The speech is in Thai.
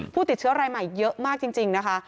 ติดเชื้อรายใหม่เยอะมากจริงนะคะ